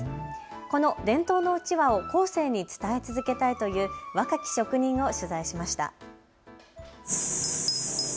この伝統のうちわを後世に伝え続けたいという若き職人を取材しました。